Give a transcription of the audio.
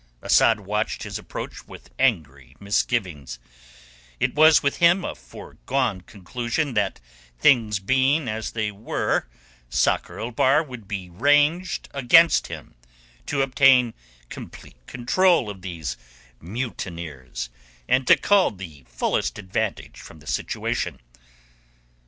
Asad watched his approach with angry misgivings; it was with him a foregone conclusion that things being as they were Sakr el Bahr would be ranged against him to obtain complete control of these mutineers and to cull the fullest advantage from the situation.